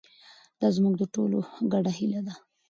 دا زموږ د ټولو ګډه هیله ده.